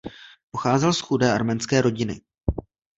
Pocházel z chudé arménské rodiny.